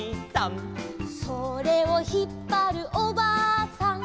「それをひっぱるおばあさん」